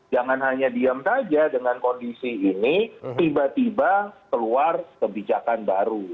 jangan hanya diam saja dengan kondisi ini tiba tiba keluar kebijakan baru